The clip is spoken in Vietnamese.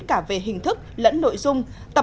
cả về hình thức lẫn nội dung